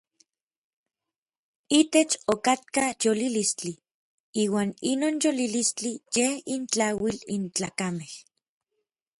Itech okatka yolilistli, iuan inon yolilistli yej intlauil n tlakamej.